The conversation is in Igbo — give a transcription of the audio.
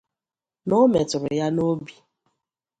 na o metụrụ ya n'obi